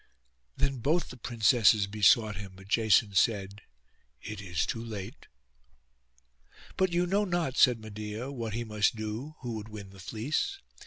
Then both the princesses besought him; but Jason said, 'It is too late.' 'But you know not,' said Medeia, 'what he must do who would win the fleece.